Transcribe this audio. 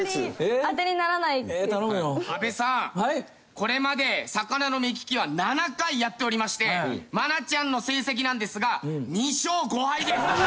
これまで魚の目利きは７回やっておりまして愛菜ちゃんの成績なんですが２勝５敗です。